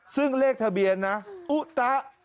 ซึ่งเลขทะเบียนนะอุตะ